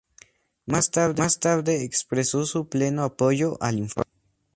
Más tarde expresó su pleno apoyo al informe.